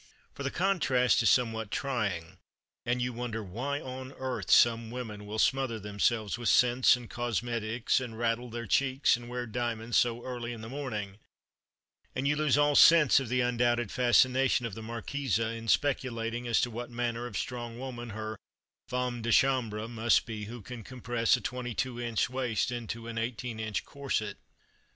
For the contrast is somewhat trying, and you wonder why on earth some women will smother themselves with scents and cosmetiques, and raddle their cheeks and wear diamonds so early in the morning; and you lose all sense of the undoubted fascination of the Marquise in speculating as to what manner of "strong woman" her femme de chambre must be who can compress a 22 inch waist into an 18 inch corset.